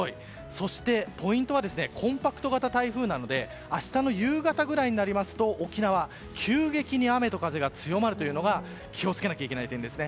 そしてポイントはコンパクト型台風なので明日の夕方ぐらいになると沖縄、急激に雨と風が強まるというのに気を付けなければいけない点です。